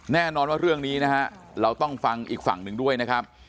แน่นอนว่าเรื่องนี้นะฮะเราต้องฟังอีกฝั่งหนึ่งด้วยนะครับ